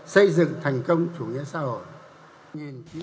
xây dựng thành công chủ nghĩa xã hội